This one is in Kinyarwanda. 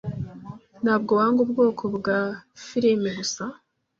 Ntabwo wanga ubwoko bwa firime gusa?